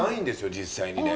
実際にね。